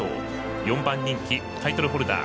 ４番人気、タイトルホルダー。